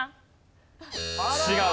違う。